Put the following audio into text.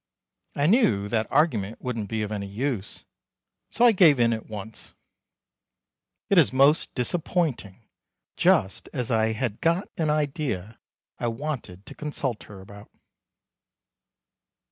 I knew that argument wouldn't be of any use, so I gave in at once. It is most disappointing just as I had got an idea I wanted to consult her about.